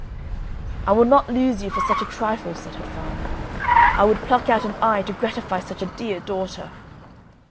"I will not lose you for such a trifle," said her father; "I would pluck out an eye to gratify such a dear daughter!"